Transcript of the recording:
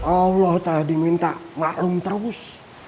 allah telah diminta maklum terus